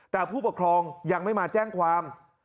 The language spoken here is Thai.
แต่ผู้ปกครองยังไม่มาแจ้งความ